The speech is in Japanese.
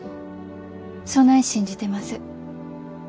そない信じてます。